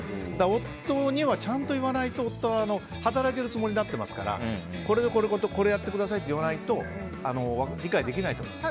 夫にはちゃんと言わないと、夫は働いているつもりになってますからこれとこれとこれをやってくださいと言わないと理解できないと思います。